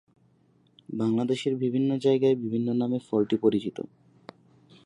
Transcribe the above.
বাংলাদেশের বিভিন্ন জায়গায় বিভিন্ন নামে ফলটি পরিচিত।